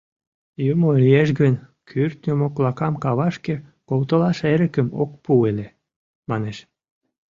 «Юмо лиеш гын, кӱртньӧ моклакам кавашке колтылаш эрыкым ок пу ыле, — манеш.